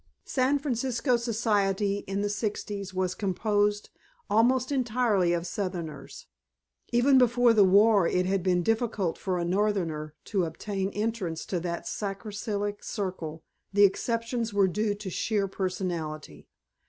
San Francisco Society in the Sixties was composed almost entirely of Southerners. Even before the war it had been difficult for a Northerner to obtain entrance to that sacrosanct circle; the exceptions were due to sheer personality.